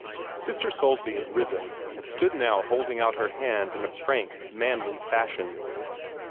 Sister Soulsby had risen, and stood now holding out her hand in a frank, manly fashion.